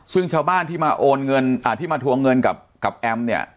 ซึ่งชาวบ้านที่มาโอนเงินที่มาทวงเงินกับแอมเนี่ย